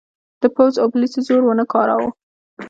د پوځ او پولیسو زور ونه کاراوه.